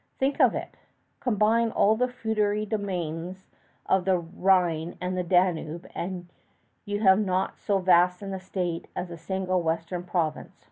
Think of it! Combine all the feudatory domains of the Rhine and the Danube, you have not so vast an estate as a single western province.